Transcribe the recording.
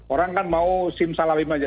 orang kan mau simsalawim aja